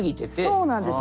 そうなんですよ。